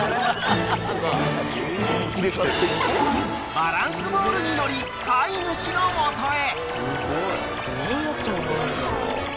［バランスボールに乗り飼い主の元へ］